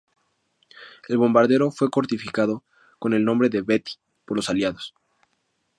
El bombardero fue codificado con el nombre de "Betty" por los Aliados.